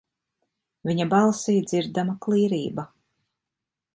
Viņa balsī dzirdama klīrība.